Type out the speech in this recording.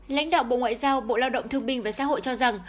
lãnh đạo bộ ngoại giao bộ lao động thương binh và xã hội cho rằng